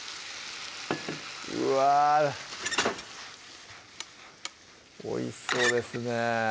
うわおいしそうですね